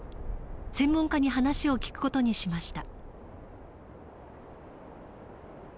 専門家に話を聞く事にしました。